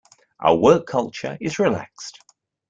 Our work culture is relaxed.